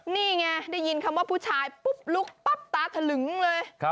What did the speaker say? นี่ไงได้ยินคำว่าผู้ชายปุ๊บลุกปั๊บตาถลึงเลย